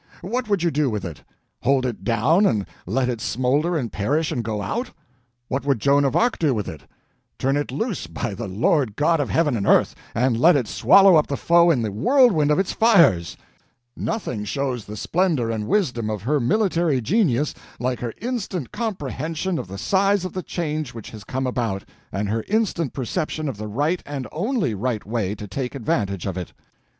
What would you do with it? Hold it down and let it smolder and perish and go out? What would Joan of Arc do with it? Turn it loose, by the Lord God of heaven and earth, and let it swallow up the foe in the whirlwind of its fires! Nothing shows the splendor and wisdom of her military genius like her instant comprehension of the size of the change which has come about, and her instant perception of the right and only right way to take advantage of it.